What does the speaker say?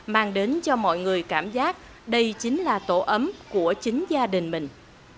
mang đến cho mọi người cảm giác đây chính là tổ ấm của chính gia đình mình